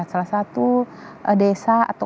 salah satu desa atau